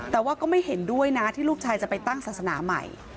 แต่ว่าก็ไม่เห็นด้วยนะที่ลูกชายจะไปตั้งศาสนาใหม่